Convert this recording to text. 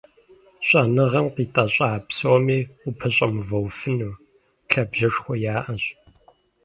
ЩӀэныгъэм къитӀэщӀа псоми упэщӀэмыувэфыну, лъабжьэшхуэ яӀэщ.